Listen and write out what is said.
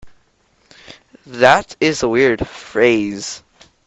That is a weird phrase.